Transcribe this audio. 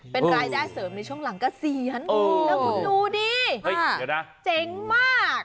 เป็นรายได้เสริมในช่วงหลังเกษียณแล้วคุณดูดิเจ๋งมาก